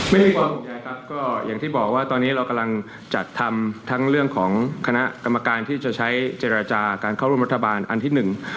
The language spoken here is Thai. ไม่มีความห่วงใยครับก็อย่างที่บอกว่าตอนนี้เรากำลังจัดทำทั้งเรื่องของคณะกรรมการที่จะใช้เจรจาการเข้าร่วมรัฐบาลอันที่หนึ่ง